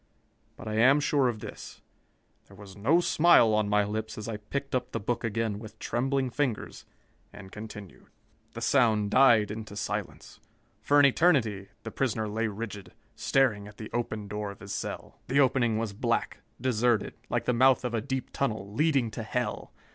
But I am sure of this: There was no smile on my lips as I picked up the book again with trembling fingers and continued. "The sound died into silence. For an eternity, the prisoner lay rigid, staring at the open door of his cell. The opening was black, deserted, like the mouth of a deep tunnel, leading to hell.